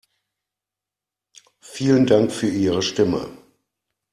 Vielen Dank für Ihre Stimme.